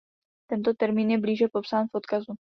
Tento termín je blíže popsán v odkazu.